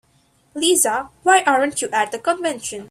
Lisa, why aren't you at the convention?